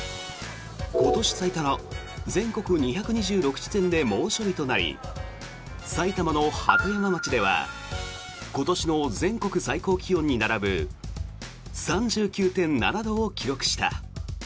今年最多の全国２２６地点で猛暑日となり埼玉の鳩山町では今年の全国最高気温に並ぶ３９．７度を記録した。